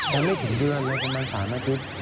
แล้วไม่ถึงเดือนแล้วก็มา๓อาทิตย์